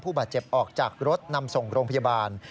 บาดเจ็บออกจากรถนำส่งโรงพยาบาล